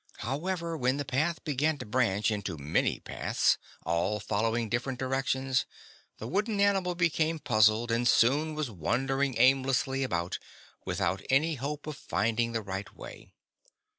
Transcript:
However, when the path began to branch into many paths, all following different directions, the wooden animal became puzzled and soon was wandering aimlessly about, without any hope of finding the right way.